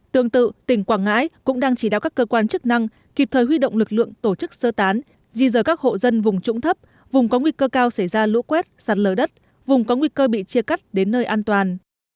tương tự tỉnh quảng ngãi cũng đang chỉ đạo các cơ quan chức năng kịp thời huy động lực lượng tổ chức sơ tán di dờ các hộ dân vùng trũng thấp vùng có nguy cơ cao xảy ra lũ quét sạt lở đất vùng có nguy cơ bị chia cắt đến nơi an toàn